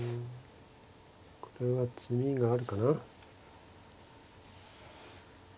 これは詰みがあるかな。